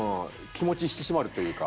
気持ち引き締まるというか。